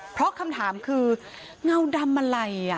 เพราะคำถามคือเงาดำอะไร